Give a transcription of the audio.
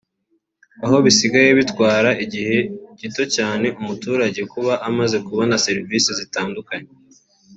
aho bisigaye bitwara igihe gito cyane umuturage kuba amaze kubona servisi zitandukanye